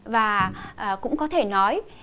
và cũng có thể nói